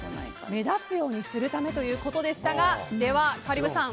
目立つようにするためということでしたが香里武さん